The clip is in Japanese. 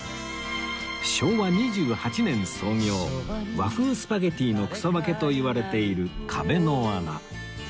昭和２８年創業和風スパゲティの草分けといわれている壁の穴